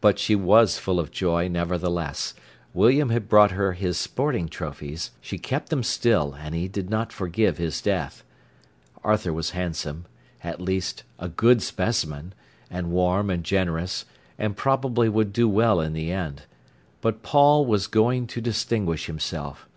But she was full of joy, nevertheless. William had brought her his sporting trophies. She kept them still, and she did not forgive his death. Arthur was handsome—at least, a good specimen—and warm and generous, and probably would do well in the end. But Paul was going to distinguish himself.